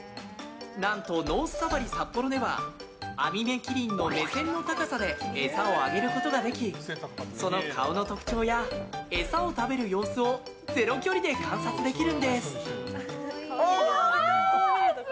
何とノースサファリサッポロではアミメキリンの目線の高さで餌をあげることができその顔の特徴や餌を食べる様子をゼロ距離で観察できるんです。